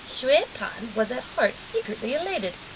Hsüeh P'an was at heart secretly elated.